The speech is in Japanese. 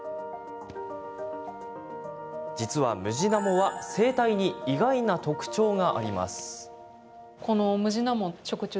実は、ムジナモは生態に意外な特徴が。